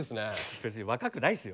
別に若くないですよ。